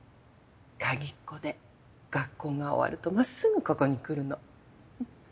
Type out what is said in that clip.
鍵っ子で学校が終わるとまっすぐここに来るのフフッ。